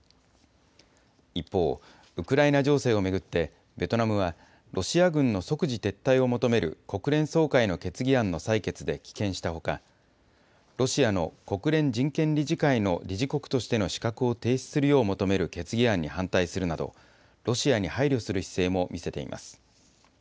一方、ウクライナ情勢を巡って、ベトナムは、ロシア軍の即時撤退を求める国連総会の決議案の採決で棄権したほか、ロシアの国連人権理事会の理事国としての資格を停止するよう求める決議案に反対するなど、ロシアに配慮する姿勢も見せています。